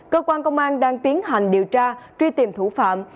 cơ quan công an đang tiến hành điều tra truy tìm thủ phạm